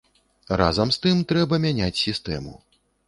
Разам з тым, трэба мяняць сістэму.